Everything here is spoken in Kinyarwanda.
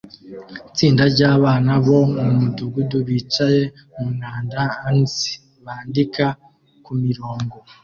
Itsinda ryabana bo mumudugudu bicaye mumwanda ans bandika kumirongo